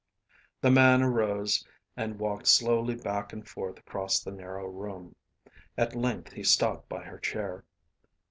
The man arose and walked slowly back and forth across the narrow room. At length he stopped by her chair.